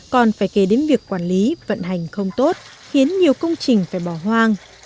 còn phải kể đến việc quản lý vận hành không tốt khiến nhiều công trình phải bỏ hoang